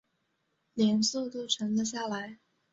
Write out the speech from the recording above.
脸色都沉了下来